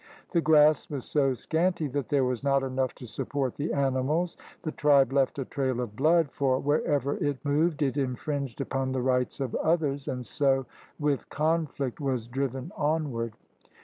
The grass was so scanty that there was not enough to support the animals. The tribe left a trail of blood, for wher ever it moved it infringed upon the rights of others and so with conflict was driven onward.